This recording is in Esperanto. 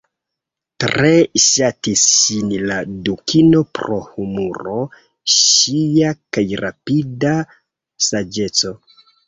Tre ŝatis ŝin la dukino pro humuro ŝia kaj rapida saĝeco.